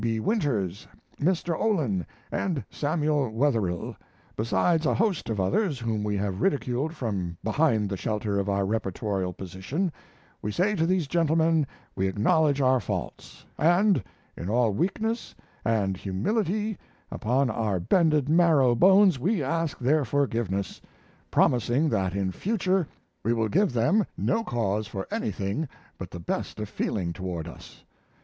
B. Winters, Mr. Olin, and Samuel Wetherill, besides a host of others whom we have ridiculed from behind the shelter of our reportorial position, we say to these gentlemen we acknowledge our faults, and, in all weakness and humility upon our bended marrow bones, we ask their forgiveness, promising that in future we will give them no cause for anything but the best of feeling toward us.